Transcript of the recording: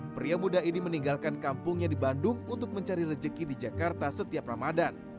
pria muda ini meninggalkan kampungnya di bandung untuk mencari rezeki di jakarta setiap ramadan